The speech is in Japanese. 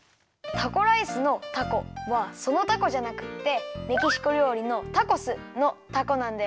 タコライスの「タコ」はそのタコじゃなくってメキシコりょうりのタコスの「タコ」なんだよね。